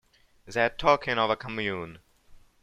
They are talking of a Commune.